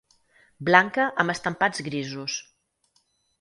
Blanca amb estampats grisos.